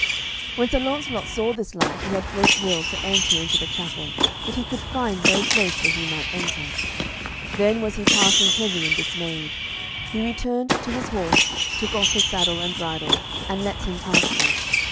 When Sir Launcelot saw this light, he had great will to enter into the chapel, but he could find no place where he might enter. Then was he passing heavy and dismayed. He returned to his horse, took off his saddle and bridle, and let him pasture.